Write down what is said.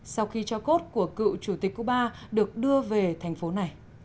sau khi cho cốt của cựu chủ tịch cuba được đưa về thành phố này